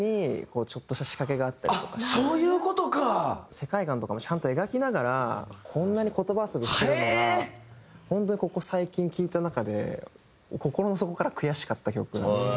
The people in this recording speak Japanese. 世界観とかもちゃんと描きながらこんなに言葉遊びしてるのが本当にここ最近聴いた中で心の底から悔しかった曲なんですよね。